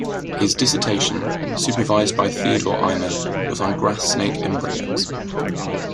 His dissertation, supervised by Theodor Eimer, was on grass snake embryos.